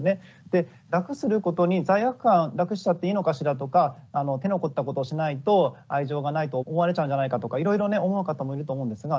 で楽することに罪悪感楽しちゃっていいのかしらとか手の凝ったことをしないと愛情がないと思われちゃうんじゃないかとかいろいろね思う方もいると思うんですが。